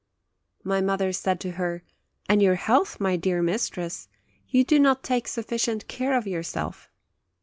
My mother said to her: "And your health, my dear mistress? You do not take sufficient care of yourself!"